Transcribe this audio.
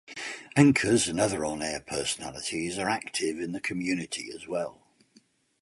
Anchors and other on-air personalities are active in the community as well.